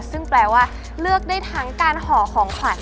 ซึ่งแปลว่าเลือกได้ทั้งการห่อของขวัญ